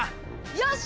よし！